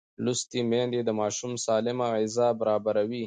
لوستې میندې د ماشوم سالمه غذا برابروي.